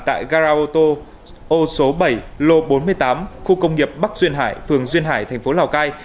tại garaoto ô số bảy lô bốn mươi tám khu công nghiệp bắc duyên hải phường duyên hải thành phố lào cai